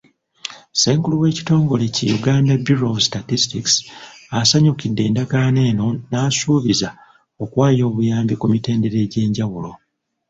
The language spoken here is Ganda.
Ssenkulu w'ekitongole ki Uganda Bureau of Statistics, asanyukidde endagaano eno n'asuubiza okuwaayo obuyambi ku mitendera egy'enjawulo.